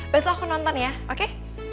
besok aku nonton ya oke